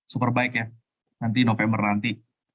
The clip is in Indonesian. superbike ya nanti november nanti